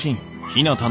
「ひなた！」。